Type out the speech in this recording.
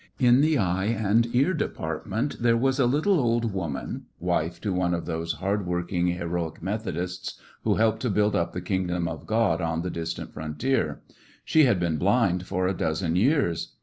In the eye and ear department there was a little old woman^ wife to one of those hard working, heroic Methodists who helped to build up the kingdom of God on the distant frontier. She had been blind for a dozen years.